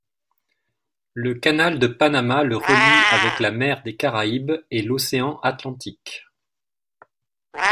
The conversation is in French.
Le canal de Panama le relie avec la mer des Caraïbes et l'océan Atlantique.